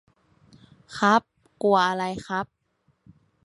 ครับ กลัวอะไรครับ ?